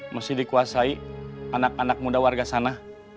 mesti dikuasai anak anak muda warga sana